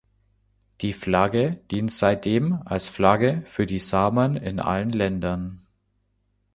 Die Flagge dient seitdem als Flagge für die Samen in allen Ländern.